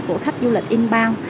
của khách du lịch inbound